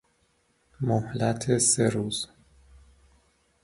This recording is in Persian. مهلت سه روز